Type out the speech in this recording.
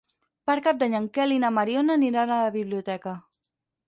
Per Cap d'Any en Quel i na Mariona aniran a la biblioteca.